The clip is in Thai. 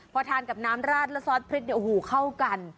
พอทานกับน้ำราดและซอสพริกเดี๋ยวเข้ากัน